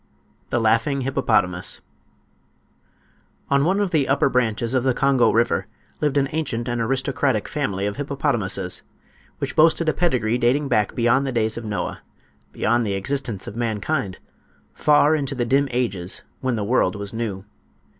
THE LAUGHING HIPPOPOTAMUS On one of the upper branches of the Congo river lived an ancient and aristocratic family of hippopotamuses, which boasted a pedigree dating back beyond the days of Noah—beyond the existence of mankind—far into the dim ages when the world was new.